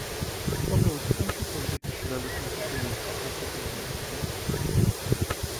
তবে অধিকাংশ পন্ডিতই শিলালিপিটিকে নির্ভরযোগ্য বলে মনে করেন।